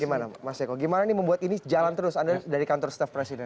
gimana mas eko gimana nih membuat ini jalan terus anda dari kantor staff presiden